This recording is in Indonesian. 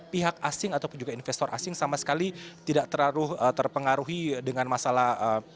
pihak asing ataupun juga investor asing sama sekali tidak terlalu terpengaruhi dengan masalah